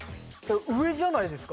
上じゃないですか？